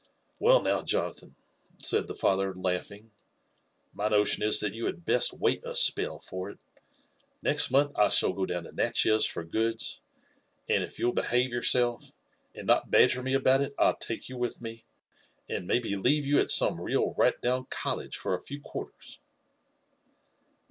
'* ''Well, now, Jonathan," said the father, laughing, ''my notion is that you had best wait a spell for it. Next month I shall go down to Natchez for goods; and if you'll behaye yourself, and not badger me about it, I'll take you with me, and maybe leave you at some real right down college for a few quarters.